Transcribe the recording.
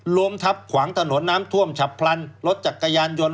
ล้มทับขวางถนนน้ำท่วมฉับพลันรถจักรยานยนต์